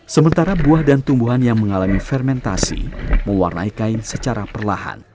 sementara buah dan tumbuhan yang mengalami fermentasi mewarnai kain secara perlahan